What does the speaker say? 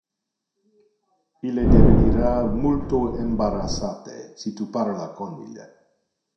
Ille devenira multo embarassate si tu parla con ille.